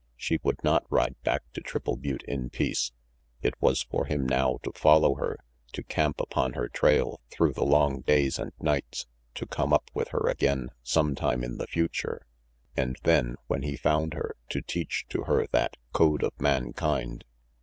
She would not ride back to Triple Butte in peace. It was for him now to follow her, to camp upon her trail through the long days and nights, to come up with her again sometime in the future; and then, when he found her, to teach to her that code of mankind.